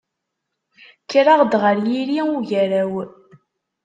Kkreɣ-d ɣer yiri ugaraw.